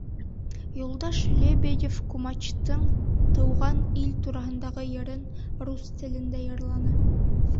Юлдаш Лебедев-Кумачтың Тыуған ил тураһындағы йырын рус телендә йырланы.